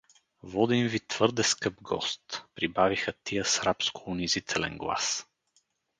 — Водим ви твърде скъп гост — прибавиха тия с рабско-унизителен глас.